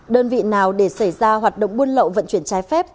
đơn vị nào để xảy ra hoạt động buôn lậu vận chuyển trái phép